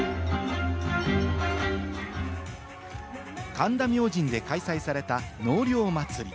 神田明神で開催された納涼祭り。